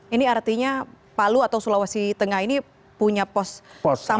ini artinya palu atau sulawesi tengah ini punya pos